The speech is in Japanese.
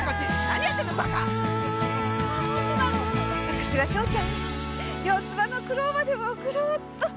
私は章ちゃんに四つ葉のクローバーでも送ろうっと。